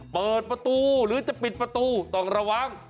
เปิดประตูหรือจะปิดประตูต้องระวัง